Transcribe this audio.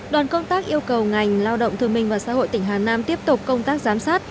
đoàn công tác yêu cầu ngành lao động thương minh và xã hội tỉnh hà nam tiếp tục công tác giám sát